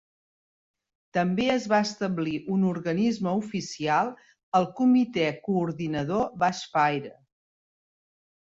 També es va establir un organisme oficial, el Comitè Coordinador Bush Fire.